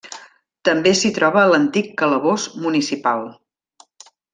També s'hi troba l'antic calabós municipal.